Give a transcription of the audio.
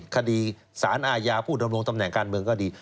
คดีสารอาญาผู้ดำรงตำแหน่งการเมืองก็ดี